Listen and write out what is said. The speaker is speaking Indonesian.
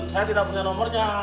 saya tidak punya nomornya